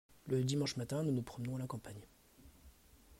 Le dimanche matin nous nous promenons à la campagne.